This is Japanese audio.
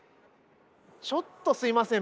ちょっとすいません